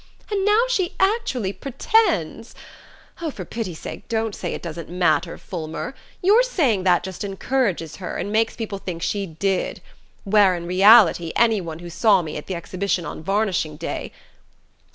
And now she actually pretends... oh, for pity's sake don't say it doesn't matter, Fulmer! Your saying that just encourages her, and makes people think she did. When, in reality, any one who saw me at the exhibition on varnishing day....